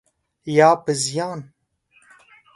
یا په زیان؟